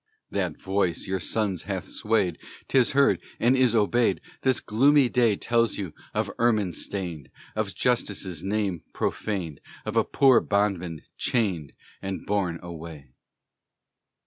That voice your sons hath swayed! 'Tis heard, and is obeyed! This gloomy day Tells you of ermine stained, Of Justice's name profaned, Of a poor bondman chained And borne away!